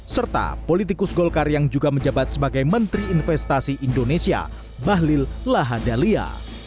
serta politikus golkar yang juga menjabat sebagai menteri investasi indonesia bahlil lahadalia